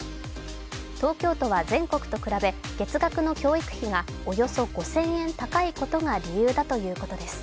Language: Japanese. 東京都は全国と比べ月額の教育費がおよそ５０００円高いことが理由だということです。